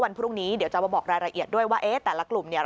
วันพรุ่งนี้เดี๋ยวจะมาบอกรายละเอียดด้วยว่าเอ๊ะแต่ละกลุ่มเนี่ย